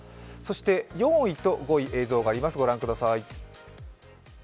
そして４位と５位、映像があります。